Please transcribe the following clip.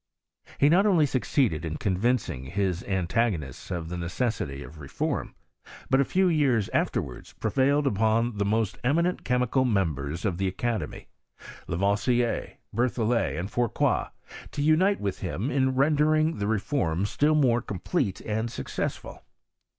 He not only succeeded in convincing his antagonists of the necessity of reform ; but a few years after wards prevailed upon the most eminent chemical members of the academy, Lavoisier, BerthoUet, and Fourcroy, to unite with him in rendering the re fbrm still more complete and successful.